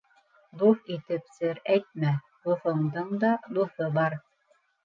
Дуҫ итеп сер әйтмә, дуҫыңдың да дуҫы бар.